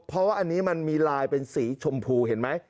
เพราะว่าอันนี้มันมีลายเป็นสีชมพูเห็นไหม